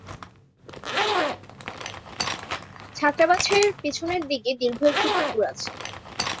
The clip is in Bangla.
ছাত্রাবাসের পিছনের দিকে দীর্ঘ একটি পুকুর আছে।